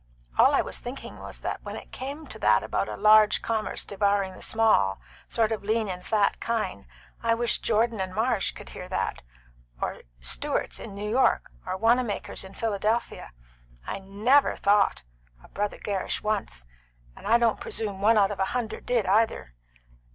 All I was thinking was when it come to that about large commerce devouring the small sort of lean and fat kine I wished Jordan and Marsh could hear that, or Stewart's in New York, or Wanamaker's in Philadelphia. I never thought of Brother Gerrish once; and I don't presume one out of a hundred did either.